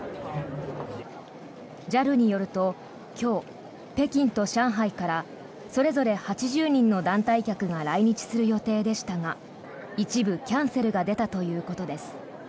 ＪＡＬによると今日、北京と上海からそれぞれ８０人の団体客が来日する予定でしたが一部キャンセルが出たということです。